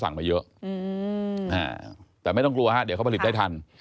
มาเยอะแต่ไม่ต้องกลัวฮะเดี๋ยวเขาผลิตได้ทัน